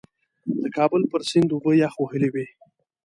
د کابل پر سیند اوبه یخ وهلې وې.